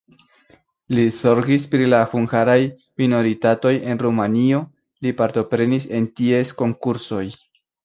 Li zorgis pri la hungaraj minoritatoj en Rumanio, li partoprenis en ties konkursoj.